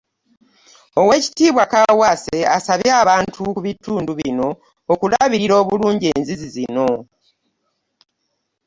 Owek. Ppulofeesa Kaawaase asabye abantu ku bitundu bino okulabirira obulungi enzizi zino